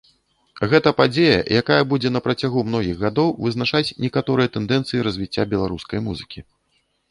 Гэта падзея, якая будзе на працягу многіх гадоў вызначаць некаторыя тэндэнцыі развіцця беларускай музыкі.